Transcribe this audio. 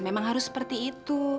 memang harus seperti itu